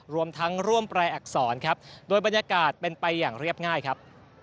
รวมทั้งร่วมแปลอักษรครับโดยบรรยากาศเป็นไปอย่างเรียบง่ายครับ